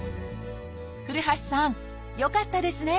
古橋さんよかったですね！